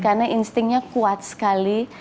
karena instingnya kuat sekali